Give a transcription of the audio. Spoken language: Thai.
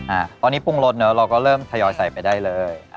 อ่าตอนนี้ปรุงรสเนอะเราก็เริ่มทยอยใส่ไปได้เลย